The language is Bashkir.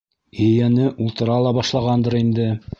Ейәне ултыра ла башлағандыр инде...